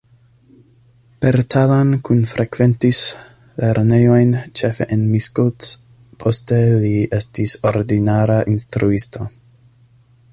Bertalan Kun frekventis lernejojn ĉefe en Miskolc, poste li estis ordinara instruisto.